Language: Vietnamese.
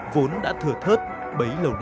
vốn đã thừa thớt bấy lâu nay